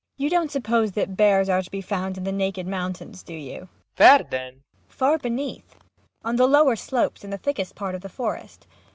] You don't suppose that bears are to be found in the naked mountains, do you? PROFESSOR RUBEK. Where, then? MAIA. Far beneath. On the lower slopes; in the thickest parts of the forest.